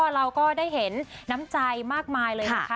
เราก็ได้เห็นน้ำใจมากมายเลยนะคะ